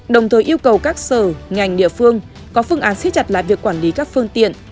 đồng thời yêu cầu các sở ngành địa phương có phương án xiết chặt lại việc quản lý các phương tiện